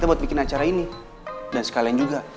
tuh disini mas pohon sekali